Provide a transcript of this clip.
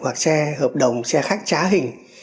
hoặc xe hợp đồng xe khách trá hình